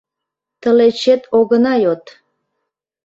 Тылечет огына йод!